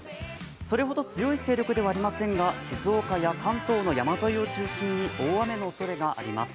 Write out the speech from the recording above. それほど強い勢力ではありませんが、静岡や関東の山沿いを中心に大雨のおそれがあります。